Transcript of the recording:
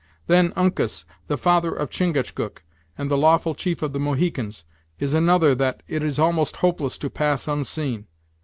Then Uncas, the father of Chingachgook, and the lawful chief of the Mohicans, is another that it is almost hopeless to pass unseen.